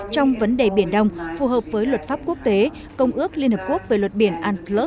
trong vấn đề biển đông phù hợp với luật pháp quốc tế công ước liên hợp quốc về luật biển unclos một nghìn chín trăm tám mươi hai